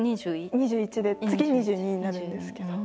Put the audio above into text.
２１で次２２になるんですけど。